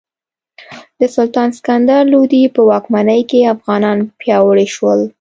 د سلطان سکندر لودي په واکمنۍ کې افغانان پیاوړي شول.